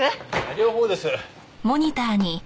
両方です。